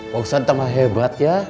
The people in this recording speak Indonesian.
pak ustadz tamah hebat ya